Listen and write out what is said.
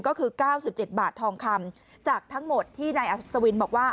ก็คือ๙๗บาททองคำจากทั้งหมดที่นายอัศวินบอกว่า